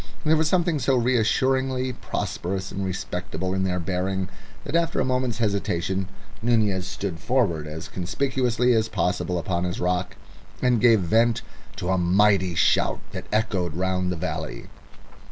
There was something so reassuringly prosperous and respectable in their bearing that after a moment's hesitation Nunez stood forward as conspicuously as possible upon his rock, and gave vent to a mighty shout that echoed round the valley.